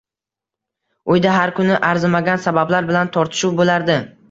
Uyda har kuni arzimagan sabablar bilan tortishuv bo`lardi